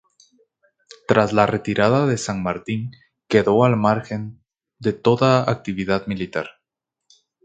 Tras la retirada de San Martín quedó al margen de toda actividad militar.